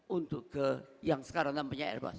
untuk ke yang sekarang namanya airbus